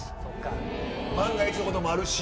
万が一のこともあるし。